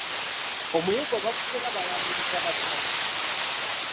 Omuyiggo bagusera balamiiriza batya?